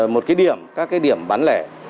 một cái điểm các cái điểm bán lẻ